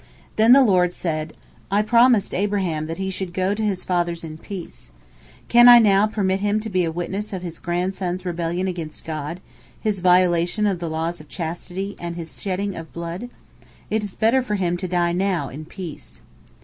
Then the Lord said: "I promised Abraham that he should go to his fathers in peace. Can I now permit him to be a witness of his grandson's rebellion against God, his violation of the laws of chastity, and his shedding of blood? It is better for him to die now in peace."